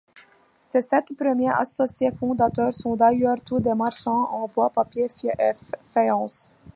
Ses sept premiers associés fondateurs sont d'ailleurs tous des marchands en bois, papier, faïence.